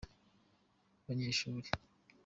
abanyeshuri.